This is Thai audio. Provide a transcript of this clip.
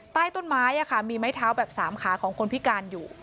ใต้ต้นไม้มีไม้เท้าแบบ๓ขาของคนพิการอยู่